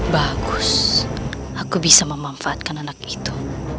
bagus aku bisa memanfaatkan anak itu